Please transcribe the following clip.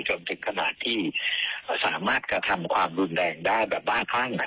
จนถึงขนาดที่สามารถกระทำความรุนแรงได้แบบบ้าคลั่ง